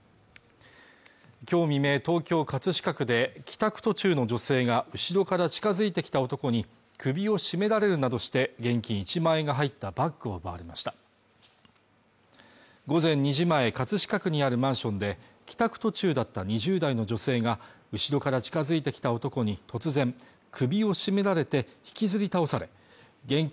今日未明、東京・葛飾区で帰宅途中の女性が後ろから近づいてきた男に首を絞められるなどして現金１万円が入ったバッグを奪われました午前２時前、葛飾区にあるマンションで帰宅途中だった２０代の女性が後ろから近づいてきた男に突然首を絞められて引きずり倒され現金